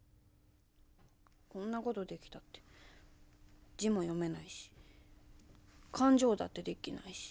こんな事できたって字も読めないし勘定だってできないし。